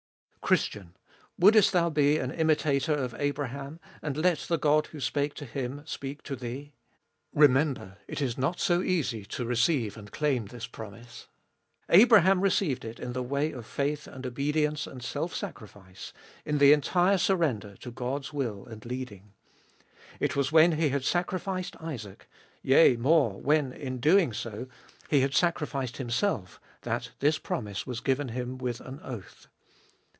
Christian ! wouldest thou be an imitator of Abraham, and let the God who spake to him speak to thee ? Remember it is not so easy to receive and claim this promise. Abraham received it in the way of faith and obedience and self sacrifice, in the entire surrender to God's will and leading. It was when he had sacrificed Isaac, yea more, when in doing so he had sacrificed 218 abe Dotfest of 2111 himself, that this promise was given him with an oath.